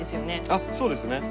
あっそうですね。